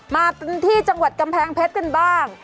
มาที่จังหวัดกำแพงเพชรกันบ้าง